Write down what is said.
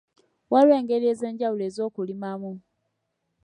Waliwo engeri ez'enjawulo ez'okulimamu.